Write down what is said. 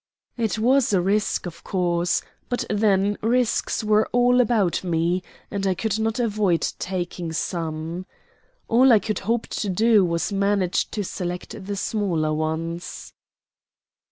It was a risk, of course, but then risks were all about me, and I could not avoid taking some. All I could hope to do was to manage to select the smaller ones.